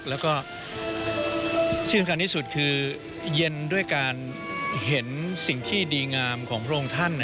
แล้วก็ที่สำคัญที่สุดคือเย็นด้วยการเห็นสิ่งที่ดีงามของพระองค์ท่าน